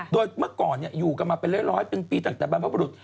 โดยเมื่อก่อนอยู่กันมาเป็นร้อยเป็นปีตั้งแต่บรรพบรุษ